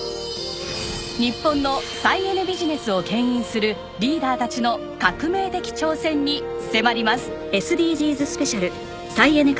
日本の再エネビジネスを牽引するリーダーたちの革命的挑戦に迫ります。